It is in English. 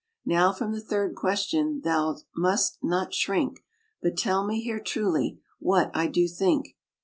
Now from the third question thou must not shrink, But tell me here truly what I do think."